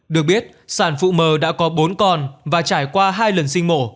được biết sản phụ mờ đã có bốn con và trải qua hai lần sinh mổ